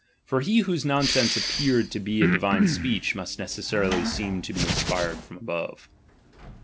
For he h whose nonsense appears to be a divine speech, H must necessarily seem to be inspired from above.